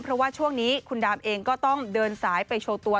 เพราะว่าช่วงนี้คุณดามเองก็ต้องเดินสายไปโชว์ตัว